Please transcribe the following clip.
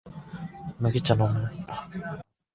麦茶のむ？